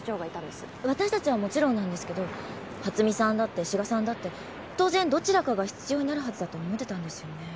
私たちはもちろんなんですけど初見さんだって志賀さんだって当然どちらかが室長になるはずだと思ってたんですよね。